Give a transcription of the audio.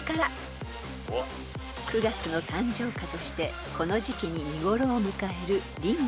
［９月の誕生花としてこの時期に見頃を迎えるリンドウ］